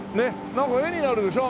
なんか絵になるでしょ。